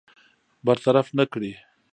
برطرف نه کړي.